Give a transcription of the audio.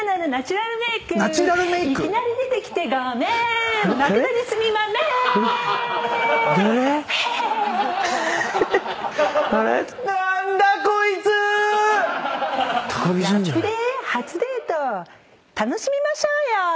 ラップで初デート楽しみましょうよ。